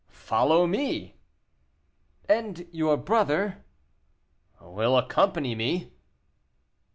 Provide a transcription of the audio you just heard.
"Follow me." "And your brother?" "Will accompany me."